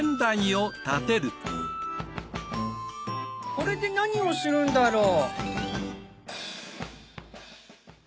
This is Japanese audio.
これで何をするんだろう？